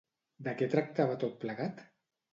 De què tractava tot plegat?